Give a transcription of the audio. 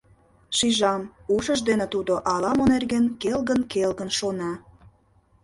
Шижам, ушыж дене тудо ала-мо нерген келгын-келгын шона.